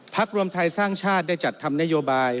รวมไทยสร้างชาติได้จัดทำนโยบาย